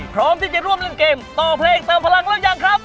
พร้อมที่จะร่วมเล่นเกมต่อเพลงเติมพลังแล้วยังครับ